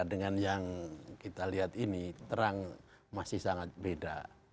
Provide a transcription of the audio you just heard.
dengan yang kita lihat ini terang masih sangat beda